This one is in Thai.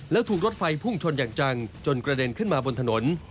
แล้วถูกรถไฟพุ่งชนอย่างจังจนกระเด็นขึ้นมาบนถนน